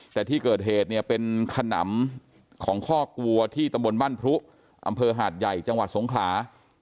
แต่ที่เกิดเหตุเนี่ยเป็นขนำของคอกวัวที่ตำบลบ้านพรุอำเภอหาดใหญ่จังหวัดสงขลา